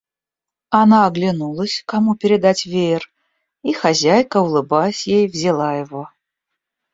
Она оглянулась, кому передать веер, и хозяйка, улыбаясь ей, взяла его.